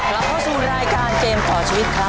เราเข้าสู่รายการเกมต่อชีวิตครับ